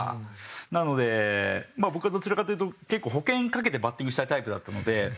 なので僕はどちらかというと結構保険かけてバッティングしたいタイプだったので。